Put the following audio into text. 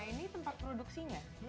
ini tempat produksinya